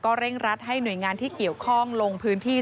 เร่งรัดให้หน่วยงานที่เกี่ยวข้องลงพื้นที่